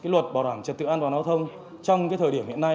luật bảo đảm trật tự an toàn giao thông trong thời điểm hiện nay